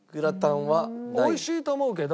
おいしいと思うけど。